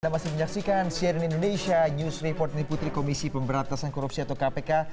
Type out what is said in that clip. anda masih menyaksikan cnn indonesia news report ini putri komisi pemberantasan korupsi atau kpk